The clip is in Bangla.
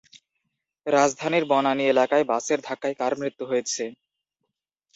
রাজধানীর বনানী এলাকায় বাসের ধাক্কায় কার মৃত্যু হয়েছে?